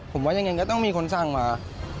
ผมว่ายังไงก็ต้องมีคนสั่งมา